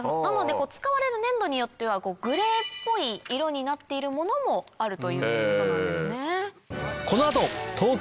使われる粘土によってはグレーっぽい色になっているものもあるということなんですね。